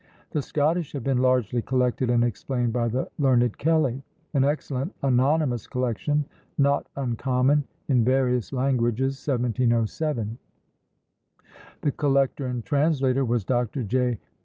The Scottish have been largely collected and explained by the learned Kelly. An excellent anonymous collection, not uncommon, in various languages, 1707; the collector and translator was Dr. J.